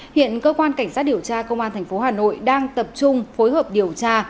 hiện cơ quan cảnh sát điều tra công an tp hà nội đang tập trung phối hợp điều tra